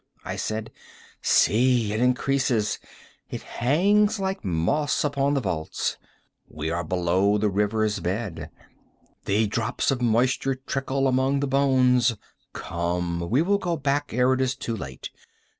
I said: "see, it increases. It hangs like moss upon the vaults. We are below the river's bed. The drops of moisture trickle among the bones. Come, we will go back ere it is too late.